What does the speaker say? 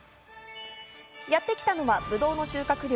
やってきたのはぶどうの収穫量